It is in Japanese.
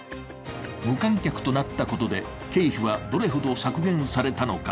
無観客となったことで経費はどれほど削減されたのか。